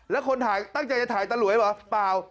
แล้วตั้งใจจะถ่ายตาหลวยหรือเปล่าเปล่า